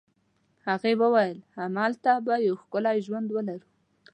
هغې وویل: همالته به یو ښکلی ژوند ولرو.